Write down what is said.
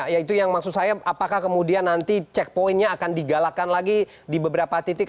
ya itu yang maksud saya apakah kemudian nanti checkpointnya akan digalakan lagi di beberapa titik